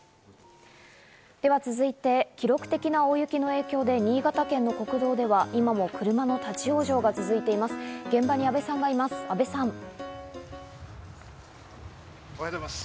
続いて、記録的な大雪の影響で新潟県の国道では今も車の立ち往生が続いています。